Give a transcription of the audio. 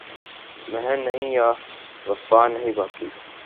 میں نہیں یا وفا نہیں باقی